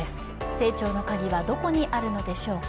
成長のカギはどこにあるのでしょうか。